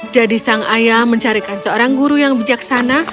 jadi sang ayah mencarikan seorang guru yang bijaksana